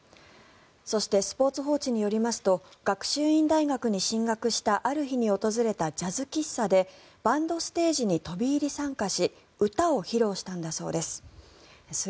そしてスポーツ報知によりますと学習院大学に進学したある日に訪れたジャズ喫茶でバンドステージに飛び入り参加し歌を披露したんだそうです。